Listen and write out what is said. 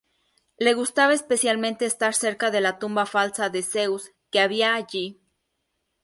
Le gustaba especialmente estar cerca de la tumba falsa de Zeus que había allí.